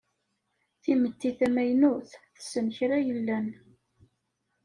Timetti tamaynut tessen kra yellan.